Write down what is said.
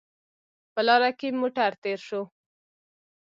په لاره کې موټر تېر شو